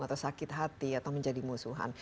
atau sakit hati atau menjadi musuhan